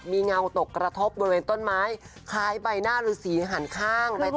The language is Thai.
จะมีเงาตกกระทบบนเว่นต้นไม้คล้ายใบหน้าหรือสีหันข้างไปต่อ